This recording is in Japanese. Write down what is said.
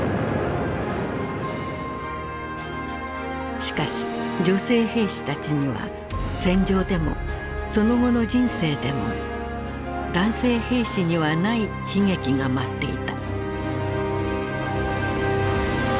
しかし女性兵士たちには戦場でもその後の人生でも男性兵士にはない悲劇が待っていた。